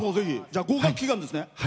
合格祈願ですね。